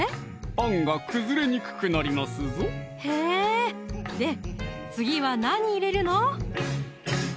あんが崩れにくくなりますぞへぇで次は何入れるの？